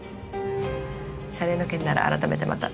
謝礼の件なら改めてまた。